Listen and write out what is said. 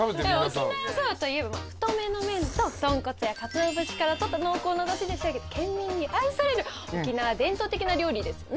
沖縄そばといえば太めの麺と豚骨やカツオ節からとった濃厚な出汁で仕上げた県民に愛される沖縄の伝統的な料理ですよね。